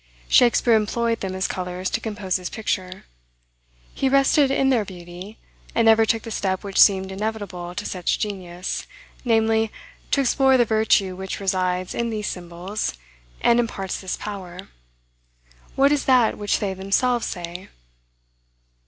Shakspeare employed them as colors to compose his picture. He rested in their beauty; and never took the step which seemed inevitable to such genius, namely, to explore the virtue which resides in these symbols, and imparts this power, what is that which they themselves say?